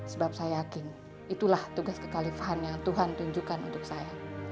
sebab saya yakin itulah tugas kekalifahan yang tuhan tunjukkan untuk saya